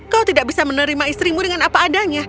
kau tidak bisa menerima istrimu dengan apa adanya